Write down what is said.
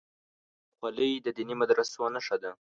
خولۍ د دیني مدرسو نښه ده.